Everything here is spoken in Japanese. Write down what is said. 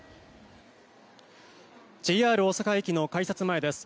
ＪＲ大阪駅の改札前です。